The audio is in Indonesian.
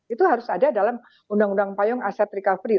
itu harus ada dalam undang undang payung aset recovery